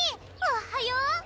おっはよう！